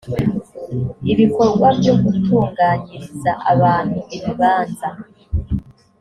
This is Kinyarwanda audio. ibikorwa byo gutunganyiriza abantu ibibanza